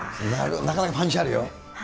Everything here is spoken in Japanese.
なかなかパンチあるよ。